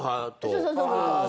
そうそうそうそう。